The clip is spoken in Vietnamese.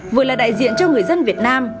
vừa là đại diện cho người dân việt nam